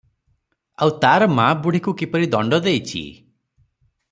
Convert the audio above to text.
ଆଉ ତାର ମାଁ ବୁଢ଼ୀକୁ କିପରି ଦଣ୍ଡ ଦେଇଚି?